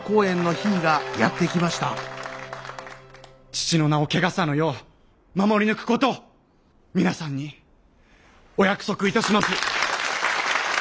父の名を汚さぬよう守り抜くことを皆さんにお約束いたします。